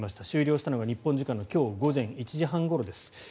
終了したのが日本時間の今日午前１時半ごろです。